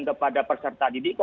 kepada peserta didik